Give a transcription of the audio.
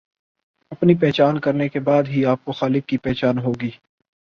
اپنی پہچان کرنے کے بعد ہی آپ کو خالق کی پہچان ہوگی۔